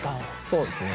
そうですね。